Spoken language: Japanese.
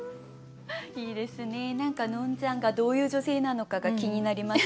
いいですね何かのんちゃんがどういう女性なのかが気になります。